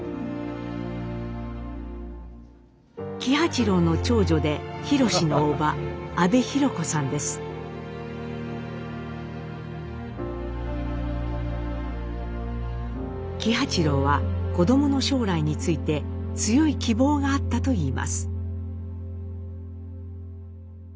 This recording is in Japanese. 喜八郎の長女で喜八郎は子どもの将来について強い希望があったといいます。